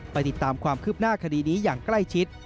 ติดตามความคืบหน้าคดีนี้อย่างใกล้ชิด